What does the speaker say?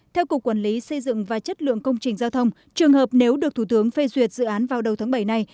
theo cục quản lý xây dựng và chất lượng công trình giao thông trường hợp nếu được thủ tướng phê duyệt dự án vào đầu tháng bảy này